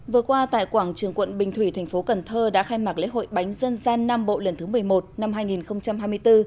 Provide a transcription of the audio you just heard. vừa qua tại quảng trường quận bình thủy thành phố cần thơ đã khai mạc lễ hội bánh dân gian nam bộ lần thứ một mươi một năm hai nghìn hai mươi bốn